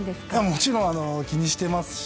もちろん気にしていますし。